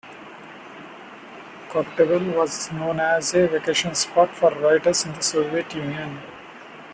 Koktebel was known as a vacation spot for writers in the Soviet Union.